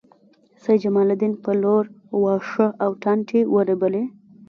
سېد جلال امیر په لور واښه او ټانټې ورېبلې